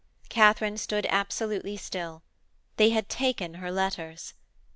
Katharine stood absolutely still. They had taken her letters!